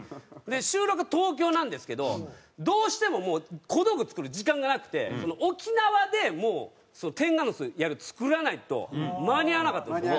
収録は東京なんですけどどうしてももう小道具作る時間がなくて沖縄でもうテンガヌスの槍を作らないと間に合わなかったんです。